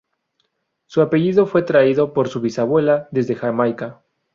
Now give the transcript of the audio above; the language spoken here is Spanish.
Su apellido fue traído por su bisabuela desde Jamaica.